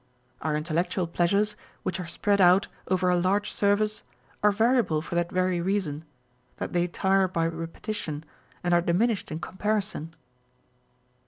Our intellectual pleasures, which are spread out over a larger surface, are variable for that very reason, that they tire by repetition, and are diminished in com parison.